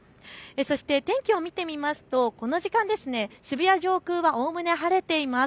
そして天気を見てみますとこの時間、渋谷上空はおおむね晴れています。